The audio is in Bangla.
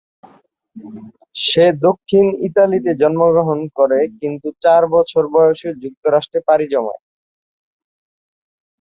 সে দক্ষিণ ইতালিতে জন্মগ্রহণ করে কিন্তু চার বছর বয়সে যুক্তরাষ্ট্রে পাড়ি জমায়।